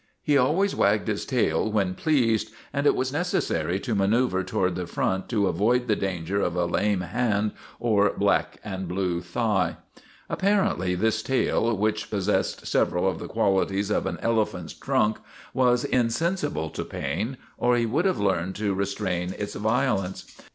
He always wagged his tail when pleased, and it was necessary to manceuver toward the front to avoid the danger of a lame hand or black and blue thigh. Apparently this tail, which possessed several of the qualities of an ele phant's trunk, was insensible to pain, or he would have learned to restrain its violence.